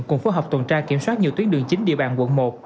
cùng phối hợp tuần tra kiểm soát nhiều tuyến đường chính địa bàn quận một